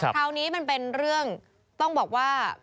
ซึ่งมันเป็นเรื่องต้องบอกว่า